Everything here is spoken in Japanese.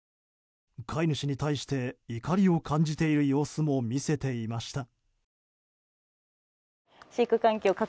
飼い主に対して怒りを感じている様子も見せていました。